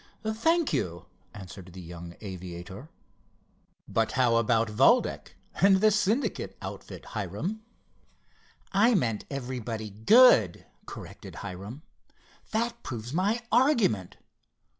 "Thank you," answered the young aviator, "but how about Valdec and the Syndicate outfit, Hiram?" "I meant everybody good," corrected Hiram. "That proves my argument.